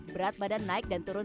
berat badan naik dan turun